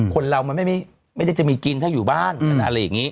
คนเรามันไม่ได้จะมีกินถ้าอยู่บ้านอะไรอย่างนี้